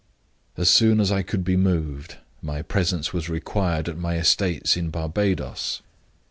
"As soon as I could be moved, my presence was required at my estates in Barbadoes.